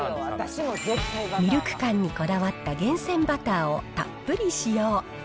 ミルク感にこだわった厳選バターをたっぷり使用。